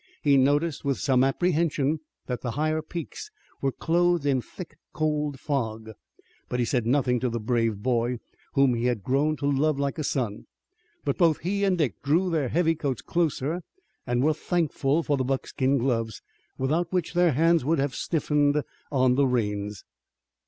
He noticed with some apprehension that the higher peaks were clothed in thick, cold fog, but he said nothing to the brave boy whom he had grown to love like a son. But both he and Dick drew their heavy coats closer and were thankful for the buckskin gloves, without which their hands would have stiffened on the reins.